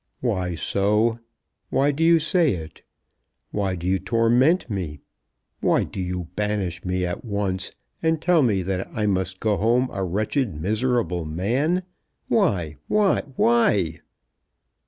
"Why so? Why do you say it? Why do you torment me? Why do you banish me at once, and tell me that I must go home a wretched, miserable man? Why? why? why?